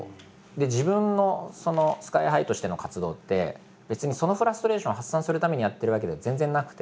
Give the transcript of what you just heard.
自分のＳＫＹ−ＨＩとしての活動って別にそのフラストレーションを発散するためにやってるわけでは全然なくて。